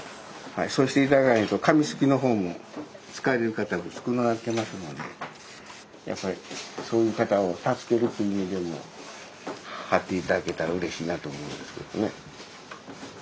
そうして頂かないと紙すきの方もすかれる方も少ななってますのでそういう方を助けるという意味でも貼って頂けたらうれしいなと思うんですけどね。